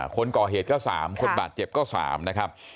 คนก่อเหตุก็๓คนบาดเจ็บก็๓นะครับ